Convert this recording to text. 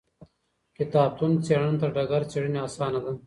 کتابتون څېړنه تر ډګر څېړنې اسانه ده.